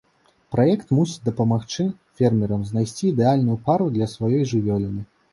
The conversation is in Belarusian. Праект мусіць дапамагчы фермерам знайсці ідэальную пару для сваёй жывёліны.